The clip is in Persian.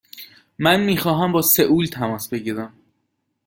من می خواهم با سئول تماس بگیرم.